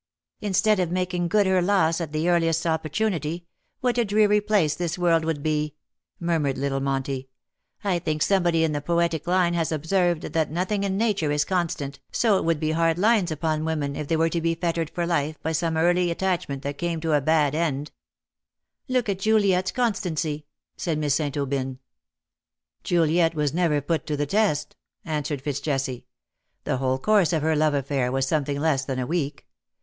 " Instead of making good her loss at the earliest opportunity, what a dreary place this world would be/' murmured little Monty. " I think somebody in the poetic line has observed that nothing in Nature is constant, so it would be hard lines upon women if they were to be fettered for life by some early attachment that came to a bad end." DELIGHT IS IN HER FACE.'^ 215 " Look at Juliet^s constancy/^ said Miss St. Aubyn. " Juliet was never put to the test/^ answered Fitz Jesse. " The whole course of her love affair was something less than a week.